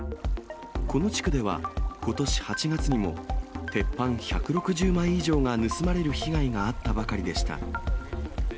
この地区では、ことし８月にも鉄板１６０枚以上が盗まれる被害があったばかりでした。